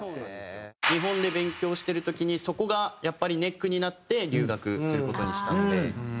日本で勉強してる時にそこがやっぱりネックになって留学する事にしたのではい。